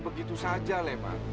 begitu saja leman